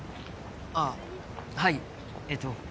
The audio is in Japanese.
あっはいえっと